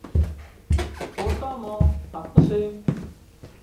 پوتان مان هپ سي